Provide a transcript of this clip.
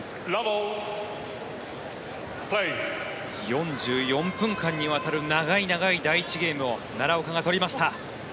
４４分間にわたる長い長い第１ゲームを奈良岡が取りました。